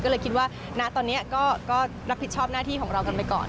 ก็เลยคิดว่าณตอนนี้ก็รับผิดชอบหน้าที่ของเรากันไปก่อน